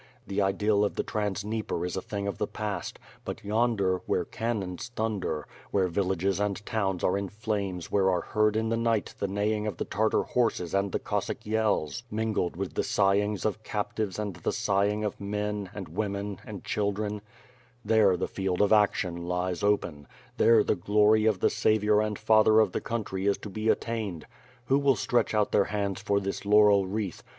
The idyll of the Trans Dnieper is a thing of the past, but yonder, where cannons thunder, where vill ages and towns are in flames where are heard in the night the neighing of the Tartar horses and the Cossack yells, 20 3o6 WITH FIRE AND SWORD. mingled with the sighings of captives and the sighing of men, and women, and children; there the field of action lies open; there the glory of the saviour and father of the country is to be attained ... Who will stretch out their hands for this laurel wreath?